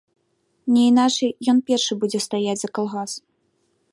Не іначай, ён першы будзе стаяць за калгас.